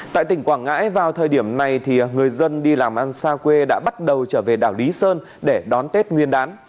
tại tỉnh quảng ngãi vào thời điểm này người dân đi làm ăn xa quê đã bắt đầu trở về đảo lý sơn để đón tết nguyên đán